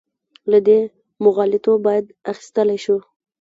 له دې مغالطو باید اخیستلی شو.